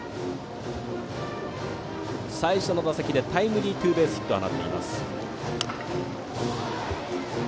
最初の打席でタイムリースリーベースヒットを放っています。